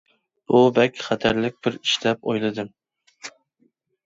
بۇ بەك خەتەرلىك بىر ئىش دەپ ئويلىدىم.